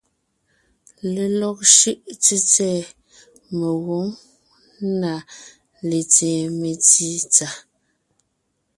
Lelɔg shʉ́ʼ tsètsɛ̀ɛ mengwòŋ na letseen metsítsà.